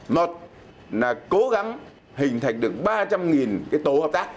một là cố gắng hình thành được ba trăm linh cái tổ hợp tác